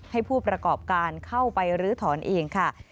ให้ผู้ประกอบการเข้าไปลื้อถอนเองค่ะ